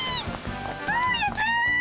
大家さん！